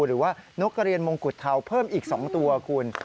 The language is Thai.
หรือว่านกกระเรียนมงกุฎเทาเพิ่มอีก๒ตัวคุณ